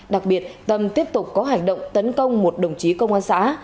đặc biệt tâm tiếp tục có hành động tấn công một đồng chí công an xã